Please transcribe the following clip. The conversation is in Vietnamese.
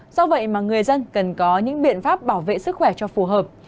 do vậy mà người dân cần có những biện pháp bảo vệ sức khỏe cho phù hợp